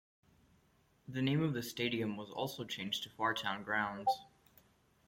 The name of the stadium was also changed to Fartown Grounds.